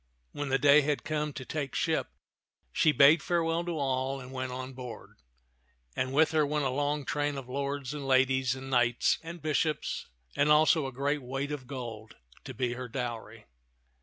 When the day had come to take ship, she bade farewell to all and went on board ; and with her went a long train of lords and ladies and knights and bishops and also a great weight of gold to be her dowry.